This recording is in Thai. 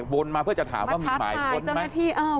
วนมาเพื่อจะถามว่ามีหมาอีกคน